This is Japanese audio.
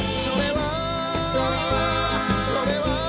「それは」